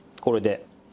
これで。